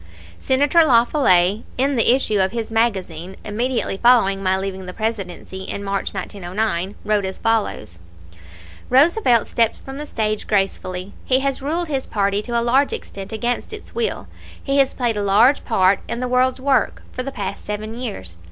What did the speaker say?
] Senator La Follette, in the issue of his magazine immediately following my leaving the Presidency in March, 1909, wrote as follows: "Roosevelt steps from the stage gracefully. He has ruled his party to a large extent against its will. He has played a large part in the world's work, for the past seven years.